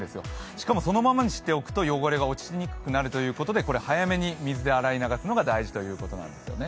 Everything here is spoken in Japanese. しかもそのままにしておくと汚れが落ちにくくなるということで早めに水で洗い流すことが大事なんですよね。